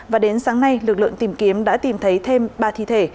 và đến sáng nay lực lượng tìm kiếm đã tìm thấy thêm ba thi thể